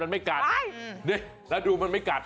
แล้วดูมันไม่กัด